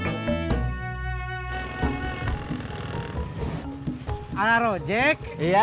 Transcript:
durum apa ber madam n stigma